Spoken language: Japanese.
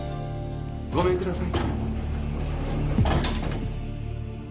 ごめんください。